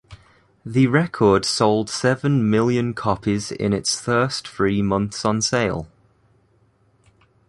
The record sold seven million copies in its first three months on sale.